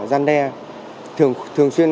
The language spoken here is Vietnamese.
gian đe thường xuyên